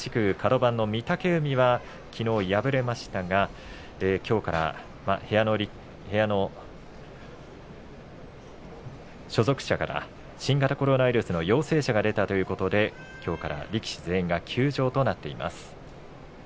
同じくカド番の御嶽海はきのう敗れましたが、きょうから部屋の所属者から新型コロナウイルスの陽性者が出たということで、きょうから力士全員が休場となっています。